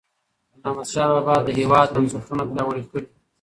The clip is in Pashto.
احمدشاه بابا د هیواد بنسټونه پیاوړي کړل.